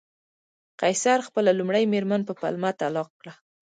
قیصر خپله لومړۍ مېرمن په پلمه طلاق کړه